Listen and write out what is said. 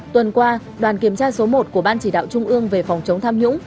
tuần qua đoàn kiểm tra số một của ban chỉ đạo trung ương về phòng chống tham nhũng